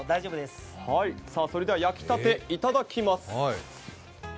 それでは焼きたて、いただきます。